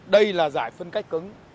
đây là giải phân cách cứng